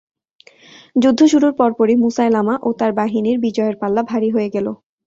যুদ্ধ শুরুর পরপরই মুসায়লামা ও তার বাহিনীর বিজয়ের পাল্লা ভারী হয়ে গেল।